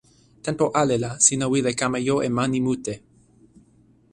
tenpo ale la sina wile kama jo e mani mute.